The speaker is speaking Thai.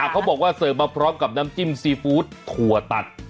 เขาบอกว่าเสิร์ฟมาพร้อมกับน้ำจิ้มซีฟู้ดถั่วตัด